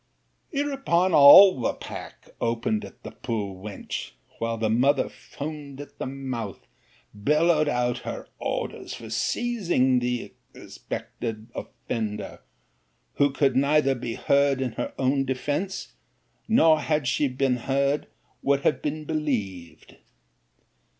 'Hereupon all the pack opened at the poor wench, while the mother foamed at the mouth, bellowed out her orders for seizing the suspected offender; who could neither be heard in her own defence, nor had she been heard, would have been believed.